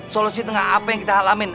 solusi tengah apa yang kita alamin